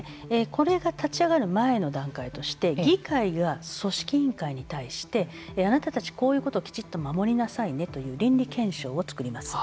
これが立ち上がる前の段階として議会が組織委員会に対してあなたたち、こういうこときちんと守りなさいねという倫理憲章を作ります。